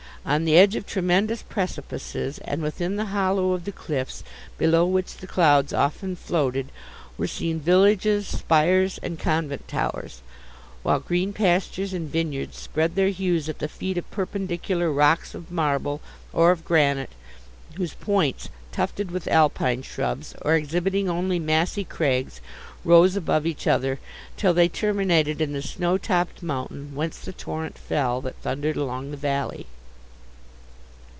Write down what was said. On the edge of tremendous precipices, and within the hollow of the cliffs, below which the clouds often floated, were seen villages, spires, and convent towers; while green pastures and vineyards spread their hues at the feet of perpendicular rocks of marble, or of granite, whose points, tufted with alpine shrubs, or exhibiting only massy crags, rose above each other, till they terminated in the snowtopped mountain, whence the torrent fell, that thundered along the valley.